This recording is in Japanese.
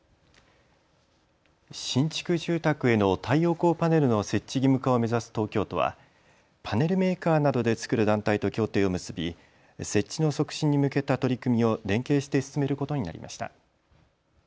新築住宅への太陽光パネルの設置義務化を目指す東京都はパネルメーカーなどで作る団体と協定を結び、設置の促進に向けた取り組みを連携して進めることになりました。